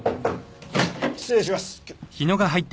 失礼します。